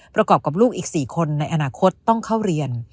ประกอบกับลูกอีก๔คนในอนาคตต้องเข้าเรียน